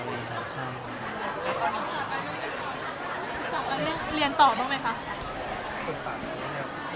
เรียนต่อบ้างไหมครับ